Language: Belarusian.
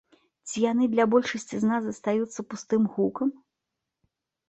Ці яны для большасці з нас застаюцца пустым гукам?